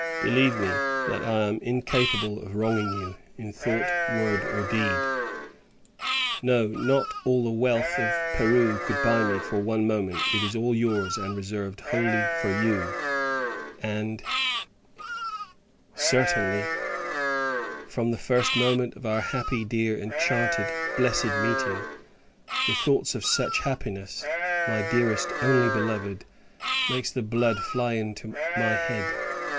Believe me, that I am incapable of wronging you, in thought, word, or deed. No; not all the wealth of Peru could buy me for one moment: it is all your's, and reserved wholly for you; and certainly from the first moment of our happy, dear, enchanting, blessed meeting. The thoughts of such happiness, my dearest only beloved, makes the blood fly into my head.